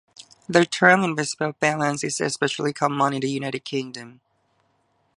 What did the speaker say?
The term 'invisible balance' is especially common in the United Kingdom.